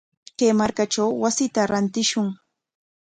Kay markatrawmi wasita rantishun.